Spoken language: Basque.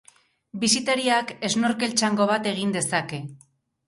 Bisitariak snorkel txango bat egin dezake.